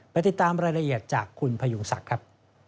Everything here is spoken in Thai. ไปติดตามรายละเอียดจากคุณพยุงศักดิ์ครับ